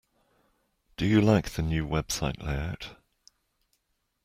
Do you like the new website layout?